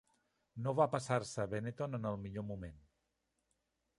No va passar-se a Benetton en el millor moment.